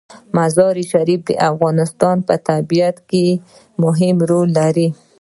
مزارشریف د افغانستان په طبیعت کې مهم رول لري.